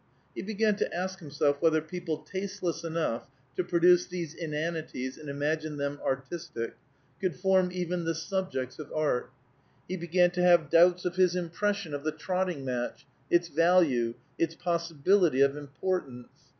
He began to ask himself whether people tasteless enough to produce these inanities and imagine them artistic, could form even the subjects of art; he began to have doubts of his impression of the trotting match, its value, its possibility of importance.